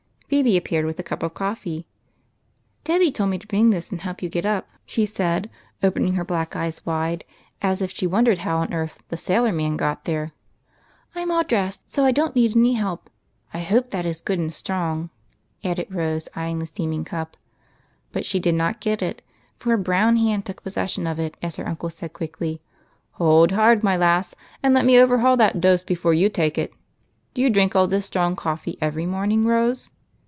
Phebe appeared with a cup of coffee. " Debby told me to bring this and help you get up," she said, opening her black eyes wide, as if she won dered how on earth " the sailor man " got there. " I 'm all dressed, so I don't need any helj). I hope that is good and strong," added Rose, eying the steam ing cup with an eager look. But she did not get it, for a brown hand took pos session of it as her uncle said quickly, —" Hold hard, my lass, and let me overhaul that dose before you take it. Do you drmk all this strong coffee every morning. Rose